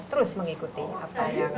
terus mengikuti apa yang